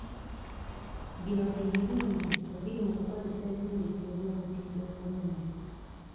Bino bye birungi ebiri mu kukozesa ebizimbisibwa eby'omutindo omulungi.